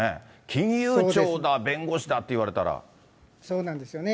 金融庁だ、弁護士だって言われたそうなんですよね。